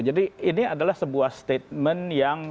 jadi ini adalah sebuah statement yang